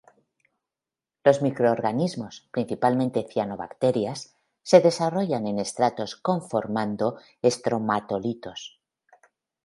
Los microorganismos, principalmente cianobacterias, se desarrollan en estratos conformando estromatolitos.